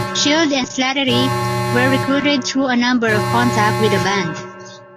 Shields and Slattery were recruited through a number of contacts with the band.